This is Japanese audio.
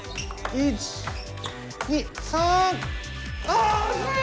あ惜しい！